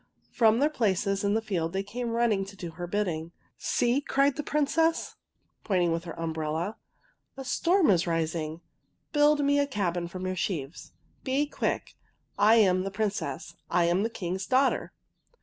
From their places in the field they came running to do her bidding. '^ See! " cried the Princess, pointing with her umbrella, " a storm is rising. Build me a cabin from your sheaves. Be quick! I am the Princess! I am the king's daughter!